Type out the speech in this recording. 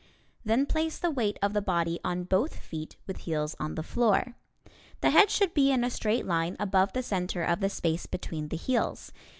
Then place the weight of the body on both feet with heels on the floor. The head should be in a straight line above the center of the space between the heels.